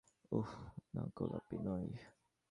ওহ, না, গোলাপী না।